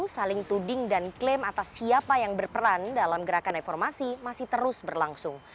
saling tuding dan klaim atas siapa yang berperan dalam gerakan reformasi masih terus berlangsung